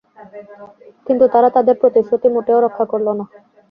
কিন্তু তারা তাদের প্রতিশ্রুতি মোটেও রক্ষা করল না।